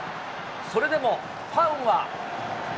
それでもファンは。